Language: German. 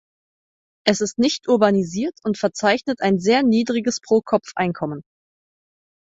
Es ist nicht urbanisiert und verzeichnet ein sehr niedriges Pro-Kopf-Einkommen.